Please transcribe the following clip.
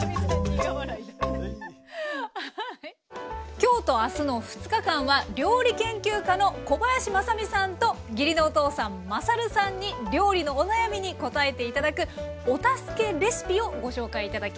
今日とあすの２日間は料理研究家の小林まさみさんと義理のお父さんまさるさんに料理のお悩みにこたえて頂く「お助けレシピ」をご紹介頂きます。